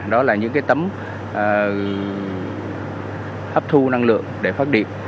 đó là những tấm hấp thu năng lượng để phát điện